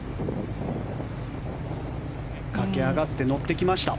駆け上がって乗ってきました。